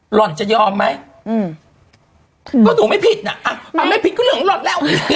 ห่อนจะยอมไหมอืมก็หนูไม่ผิดน่ะอ่ะไม่ผิดก็เหลืองหล่อนแล้ว